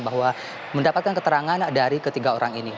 bahwa mendapatkan keterangan dari ketiga orang ini